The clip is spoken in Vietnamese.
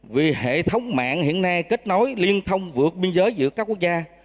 vì hệ thống mạng hiện nay kết nối liên thông vượt biên giới giữa các quốc gia